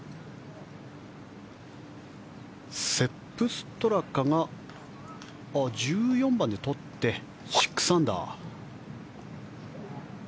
セップ・ストラカが１４番で取って６アンダー。